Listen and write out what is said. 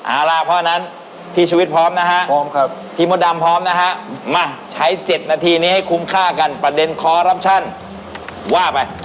เอาล่ะเพราะฉะนั้นพี่ชีวิตพร้อมนะฮะพร้อมครับพี่มดดำพร้อมนะฮะมาใช้๗นาทีนี้ให้คุ้มค่ากันประเด็นคอรับชันว่าไป